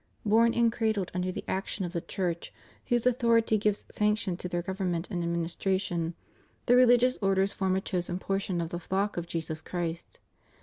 Bom and cradled under the action of the Church, whose authority gives sanction to their government and administration, the religious orders form a chosen portion of the flock of Jesus Christ.